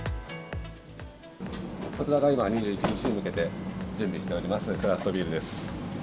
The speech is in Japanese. こちらが今２１日に向けて準備しております、クラフトビールです。